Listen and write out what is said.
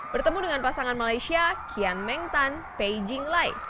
bertemu dengan pasangan malaysia kian meng tan pei jinglai